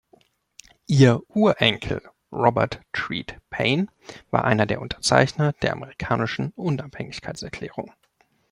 Ihr Urenkel, Robert Treat Paine, war einer der Unterzeichner der Amerikanischen Unabhängigkeitserklärung.